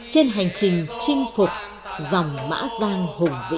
trên hành trình chinh phục dòng mã giang hùng vĩ